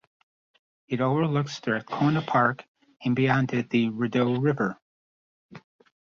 It overlooks Strathcona Park and beyond it the Rideau River.